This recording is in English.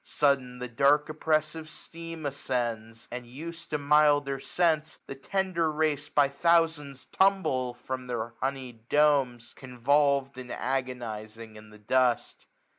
Sudden the dark oppressivie steam ascends ; And, us'd to milder scents, the tender race, 3y thousands, tumble from their honeyed (domes. Convolved, and agonizing in the dust.